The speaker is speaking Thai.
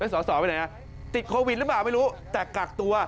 สอสอไปไหนติดโควิดหรือเปล่าไม่รู้แต่กักตัว